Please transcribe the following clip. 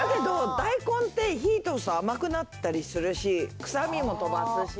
大根って火通すと甘くなったりするし臭みも飛ばすし。